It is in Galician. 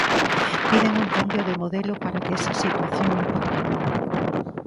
Piden un cambio no modelo para que esa situación non continúe.